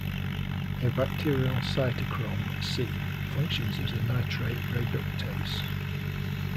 A bacterial cytochrome "c" functions as a nitrite reductase.